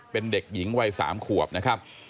เป็นเด็กหญิงวัย๓ขวบนะครับ